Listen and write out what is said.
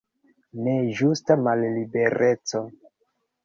Nejusta mallibereco.